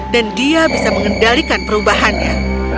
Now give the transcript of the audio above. dan dia bisa mengendalikan perubahannya